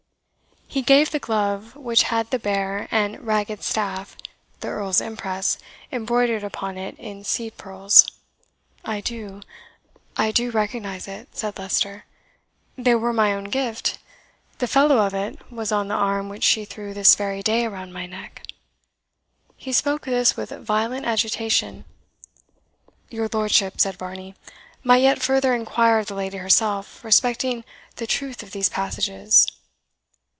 He gave the glove, which had the Bear and Ragged Staff, the Earl's impress, embroidered upon it in seed pearls. "I do I do recognize it," said Leicester. "They were my own gift. The fellow of it was on the arm which she threw this very day around my neck!" He spoke this with violent agitation. "Your lordship," said Varney, "might yet further inquire of the lady herself respecting the truth of these passages."